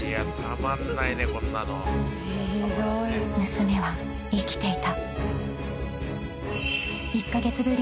［娘は生きていた］